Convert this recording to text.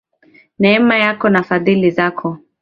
Neema yako na fadhili zako.